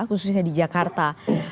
khususnya di jakarta